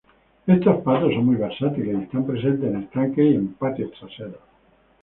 Estos patos son muy versátiles y están presentes en estanques y en patios traseros.